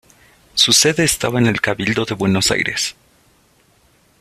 Su sede estaba en el Cabildo de Buenos Aires.